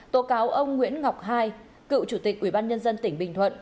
tổ cáo ông nguyễn ngọc hai cựu chủ tịch ủy ban nhân dân tỉnh bình thuận